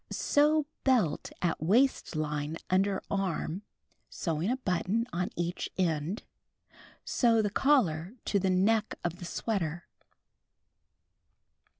Sew belt at waist line under arm, sewing a button on each end. Sew the collar to tlie neck of the sweater.